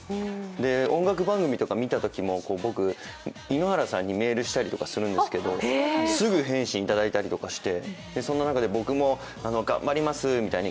音楽番組とかを見たときも、僕、井ノ原さんにメールしたりとかするんですけどすぐ返信いただいたりして、その中で僕も頑張りますって。